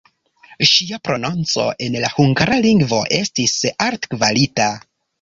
Ŝia prononco en la hungara lingvo estis altkvalita.